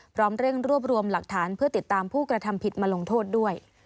พร้อมเร่งรวบรวมหลักฐานเพื่อติดตามผู้กระทำผิดมาลงโทษด้วย